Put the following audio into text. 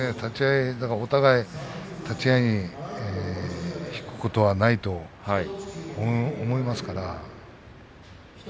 そうですねお互い、立ち合いに引くことはないと思いますから。